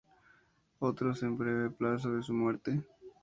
Otros, a breve plazo de su muerte.